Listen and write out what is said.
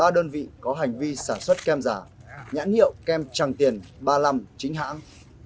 ba đơn vị có hành vi sản xuất kem giả nhãn hiệu kem tràng tiền ba mươi năm chính hãng